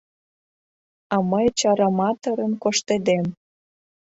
А мый чараматырын коштедем...